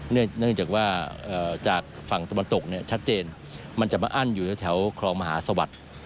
เนื่องจากว่าจากฝั่งตะวันตกเนี่ยชัดเจนมันจะมาอั้นอยู่แถวครองมหาสวัสดิ์